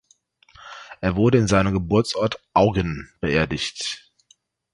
Er wurde in seinem Geburtsort Auggen beerdigt.